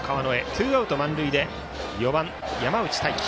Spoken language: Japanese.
ツーアウト満塁で４番、山内太暉。